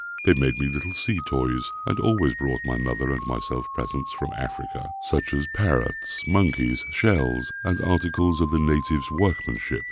They made me little sea toys, and always brought my mother and myself presents from Africa, such as parrots, monkeys, shells, and articles of the natives' workmanship.